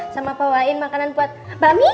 sama bawain makanan buat mbak mieci